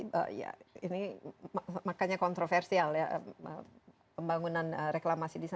ya ini makanya kontroversial ya pembangunan reklamasi di sana